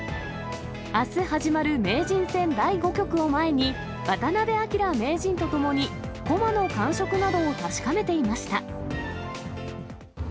あす始まる名人戦第５局を前に、渡辺明名人とともに駒の感触などを確かめていました。